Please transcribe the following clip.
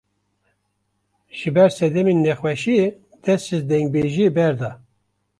Ji ber sedemên nexweşiyê, dest ji dengbêjiyê berda